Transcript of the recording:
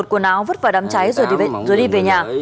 quần áo vứt vào đám cháy rồi đi về nhà